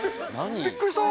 びっくりした！